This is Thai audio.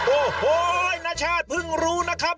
โอ้โหนชาติเพิ่งรู้นะครับ